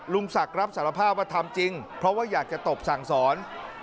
ลุงศักดิ์รับสารภาพว่าทำจริงเพราะว่าอยากจะตบสั่งสอน